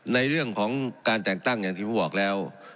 ในเรื่องของการแต่งตั้งอย่างที่ผมบอกแล้ว